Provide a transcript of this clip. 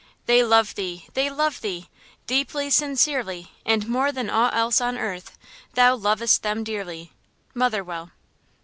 They love thee! they love thee! Deeply, sincerely; And more than aught else on earth Thou lovest them dearly! –MOTHERWELL.